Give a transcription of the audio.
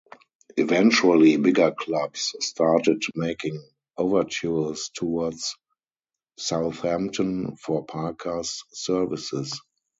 Eventually bigger clubs started making overtures towards Southampton for Parker's services.